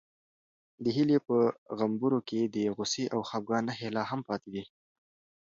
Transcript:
د هیلې په غومبورو کې د غوسې او خپګان نښې لا هم پاتې وې.